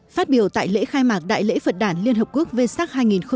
phát biểu tại lễ khai mạc đại lễ phật đàn liên hợp quốc vơ sắc hai nghìn một mươi chín